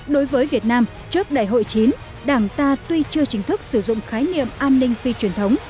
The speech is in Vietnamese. đối với việt nam trước đại hội chín đảng ta tuy chưa chính thức sử dụng khái niệm an ninh phi truyền thống